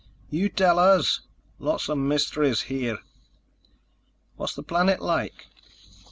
"You tell us. Lots of mysteries here." "What's the planet like?"